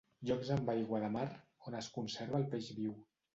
Llocs amb aigua de mar on es conserva el peix viu.